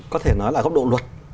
có thể nói là góc độ luật